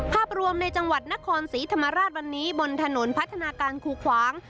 ภาพรวมในจังหวัดนครศรีธรรมราชวันนี้บนถนนพัฒนาการคูขวาง